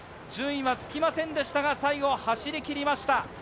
順位はつきませんでしたが、走りきりました。